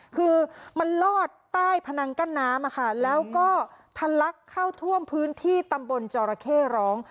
คือมันลอดใต้พนังกั้นน้ำแล้วก็ทะลักเข้าท่วมพื้นที่ตำบลจอระเข้ร้อง